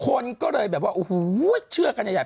คนก็เลยเชื่อกันใหญ่